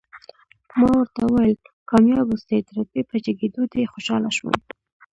ما ورته وویل، کامیاب اوسئ، د رتبې په جګېدو دې خوشاله شوم.